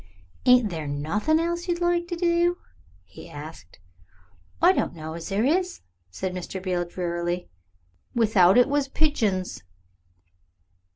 "Ain't there nothing else you'd like to do?" he asked. "I don't know as there is," said Mr. Beale drearily; "without it was pigeons."